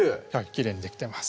きれいにできてます